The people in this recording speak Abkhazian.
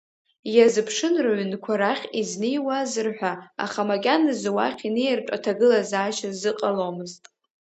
Иазыԥшын рыҩнқәа рахь изнеиуазар ҳәа, аха макьаназы уахь инеиртә аҭагылазаашьа зыҟаломызт.